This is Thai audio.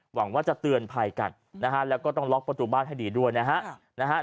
หวังว่าจะเตือนภัยกันนะฮะแล้วก็ต้องล็อกประตูบ้านให้ดีด้วยนะฮะ